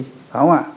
phải không ạ